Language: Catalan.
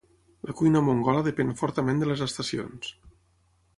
La cuina mongola depèn fortament de les estacions.